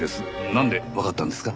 なんでわかったんですか？